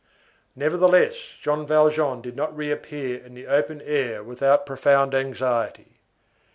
Nevertheless, Jean Valjean did not reappear in the open air without profound anxiety.